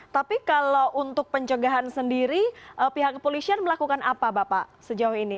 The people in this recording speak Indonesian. jadi kalau untuk pencegahan sendiri pihak polisian melakukan apa bapak sejauh ini